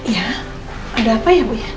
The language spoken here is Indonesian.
ya ada apa ya bu ya